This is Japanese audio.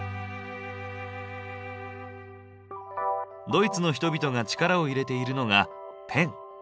ドイツの人々が力を入れているのがペン。